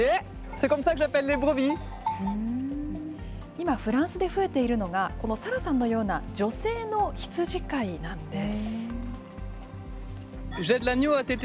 今、フランスで増えているのが、このサラさんのような女性の羊飼いなんです。